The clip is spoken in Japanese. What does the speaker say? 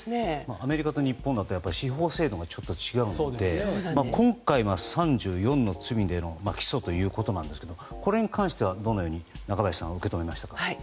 アメリカと日本だと司法制度がちょっと違うので今回が３４の罪での起訴ということなんですけどこれに関しては、どのように中林さんは受け止めましたか？